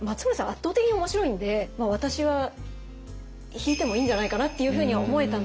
圧倒的におもしろいんで私は引いてもいいんじゃないかなっていうふうに思えたので。